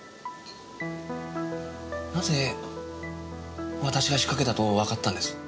なぜ私が仕掛けたとわかったんです？